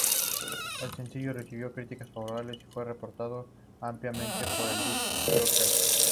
El sencillo recibió críticas favorables y fue respaldado ampliamente por los disc jockeys.